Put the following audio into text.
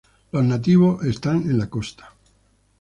Los nativos están en la costa".